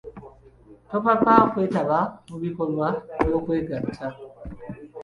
Topapa kwetaba mu bikolwa byo'kwegatta.